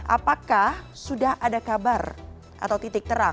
apakah sudah ada kabar atau titik terang